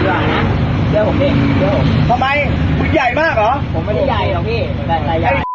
แต่ผมแค่ถามว่าที่มันติดต่อเรื่องอะไรครับ